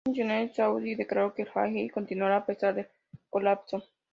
Un funcionario saudí declaró que el Hajj continuaría a pesar del colapso.